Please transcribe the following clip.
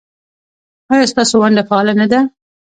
ایا ستاسو ونډه فعاله نه ده؟